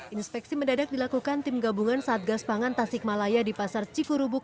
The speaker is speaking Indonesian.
dua ribu sembilan belas inspeksi mendadak dilakukan tim gabungan satgas pangan tasikmalaya di pasar cikurubuk